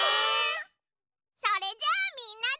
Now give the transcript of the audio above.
それじゃあみんなで。